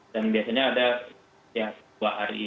dan biasanya ada setiap dua hari